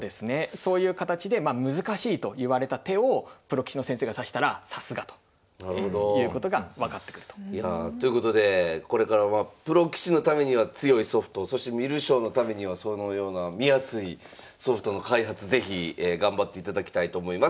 そういう形で難しいといわれた手をプロ棋士の先生が指したらさすがということが分かってくると。ということでこれからまあプロ棋士のためには強いソフトそして観る将のためにはそのような見やすいソフトの開発是非頑張っていただきたいと思います。